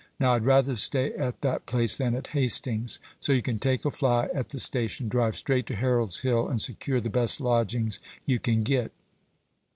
Now, I'd rather stay at that place than at Hastings. So you can take a fly at the station, drive straight to Harold's Hill, and secure the best lodgings you can get."